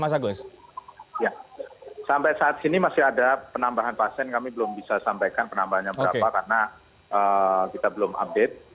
sampai saat ini masih ada penambahan pasien kami belum bisa sampaikan penambahannya berapa karena kita belum update